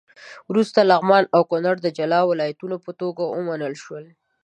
وروسته لغمان او کونړ د جلا ولایتونو په توګه ومنل شول.